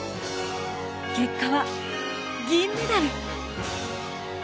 結果は銀メダル。